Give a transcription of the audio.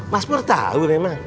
mas pur tahu memang